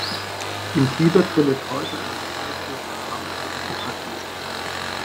In Tibet findet heute ein gewaltloser Kampf für Demokratie statt.